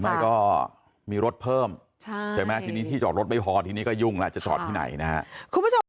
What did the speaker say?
ไม่มีรถเพิ่มใช่ไหมทีนี้ที่จอดรถไม่พอทีนี้ก็ยุ่งแล้วจะจอดที่ไหนนะครับ